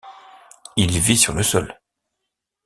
Il vit sur le sol.